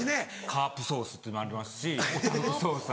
カープソースというのありますしオタフク